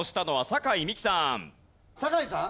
酒井さん？